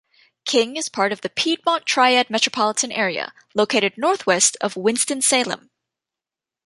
King is part of the Piedmont Triad metropolitan area, located northwest of Winston-Salem.